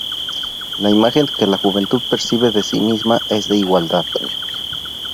La imagen que la juventud percibe de sí misma es de igualdad.